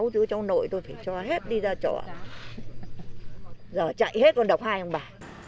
sáu chú cháu nội tôi phải cho hết đi ra chỗ giờ chạy hết còn đọc hai ông bà